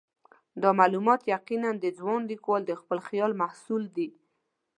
دا معلومات یقیناً د ځوان لیکوال د خپل خیال محصول دي.